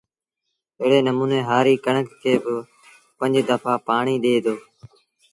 ايڙي نموٚني هآري ڪڻڪ کي با پنج دڦآ پآڻيٚ ڏي دو